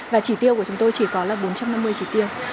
và trí tiêu của chúng tôi chỉ có là bốn trăm năm mươi trí tiêu